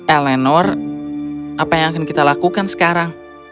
eleanor apa yang akan kita lakukan sekarang